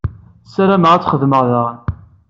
Ssarameɣ ad t-xedmeɣ daɣen.